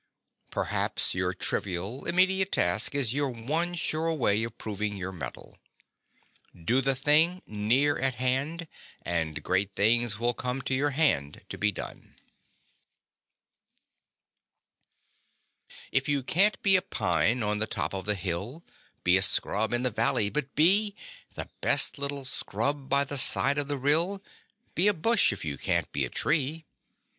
Perhaps your trivial, immediate task is your one sure way of proving your mettle. Do the thing near at hand, and great things will come to your hand to be done. If you can't be a pine on the top of the hill Be a scrub in the valley but be The best little scrub by the side of the rill; Be a bush if you can't be a tree.